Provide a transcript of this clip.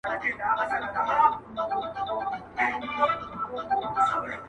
• ټول غزل غزل سوې دواړي سترګي دي شاعري دي..